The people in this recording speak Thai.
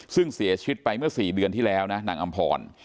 ซึ่งเสียชีวิตไปเมื่อ๔เดือนที่แล้วนะนางอำพร